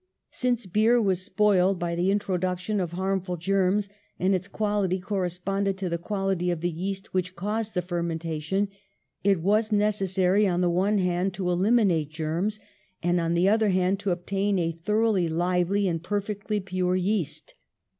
Since beer was spoiled by the introduction of harmful germs, and its quality corresponded to the quality of the yeast which caused the fer mentation, it was necessary, on the one hand, to eliminate germs, and, on the other, to obtain a thoroughly lively and perfectly pure yeast.